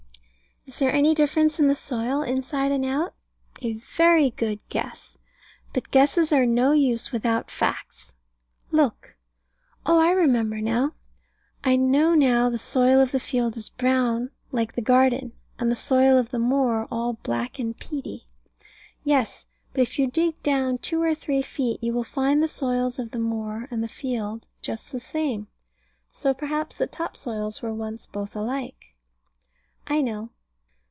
Is there any difference in the soil inside and out? A very good guess. But guesses are no use without facts. Look. Oh, I remember now. I know now the soil of the field is brown, like the garden; and the soil of the moor all black and peaty. Yes. But if you dig down two or three feet, you will find the soils of the moor and the field just the same. So perhaps the top soils were once both alike. I know.